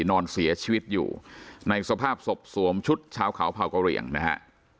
นอนเสียชีวิตอยู่ในสภาพศพสวมชุดชาวเขาเผ่ากระเหลี่ยงนะฮะ